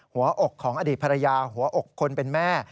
หัวอกของอดีตภรรยาหัวอกคนเป็นแม่